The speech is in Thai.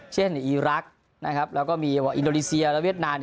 เช่นอีรักแล้วก็มีอินโดรีเซียและเวียดนาน